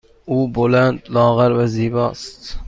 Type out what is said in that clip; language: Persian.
او بلند، لاغر و زیبا است.